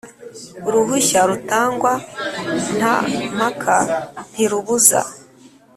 Uruhushya rutangwa nta mpaka ntirubuza